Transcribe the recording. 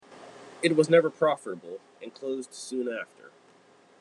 It was never profitable and closed soon after.